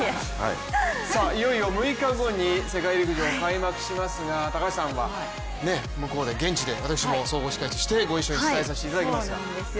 いよいよ６日後に世界陸上開幕しますが、高橋さんは向こう、現地で私も総合司会として一緒に伝えさせていただきますが。